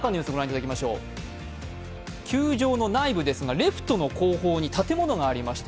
球場の内部、レフトの後方に建物がありまして